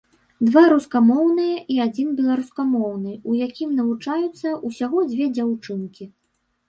Два рускамоўныя і адзін беларускамоўны, у якім навучаюцца ўсяго дзве дзяўчынкі.